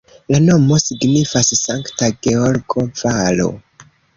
La nomo signifas Sankta Georgo-valo.